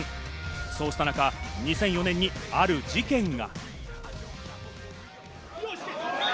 そうした中、２００４年にある事件が。